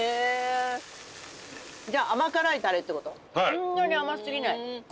そんなに甘すぎない。